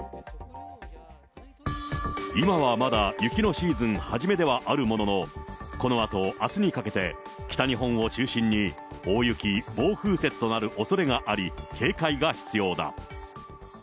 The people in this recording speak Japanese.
今はまだ雪のシーズン初めではあるものの、このあとあすにかけて、北日本を中心に、大雪、暴風雪となるおそれがあり、警戒が必要だ。